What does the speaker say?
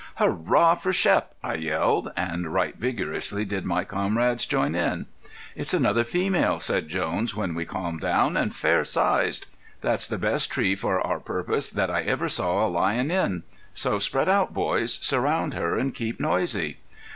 "Hurrah for Shep!" I yelled, and right vigorously did my comrades join in. "It's another female," said Jones, when we calmed down, "and fair sized. That's the best tree for our purpose that I ever saw a lion in. So spread out, boys; surround her and keep noisy."